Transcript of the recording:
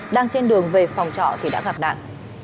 đang trên đường về phòng trọ thì đã gặp nạn